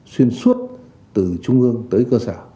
xuyên suốt từ trung ương tới cơ sở